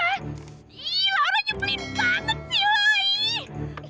iiih laura nyumpulin banget si lori